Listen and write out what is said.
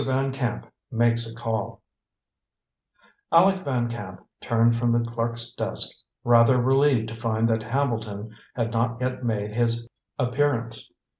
VAN CAMP MAKES A CALL Aleck Van Camp turned from the clerk's desk, rather relieved to find that Hambleton had not yet made his appearance.